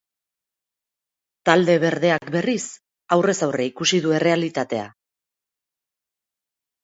Talde berdeak, berriz, aurrez aurre ikusi du errealitatea.